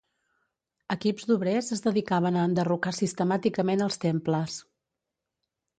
Equips d'obrers es dedicaven a enderrocar sistemàticament els temples.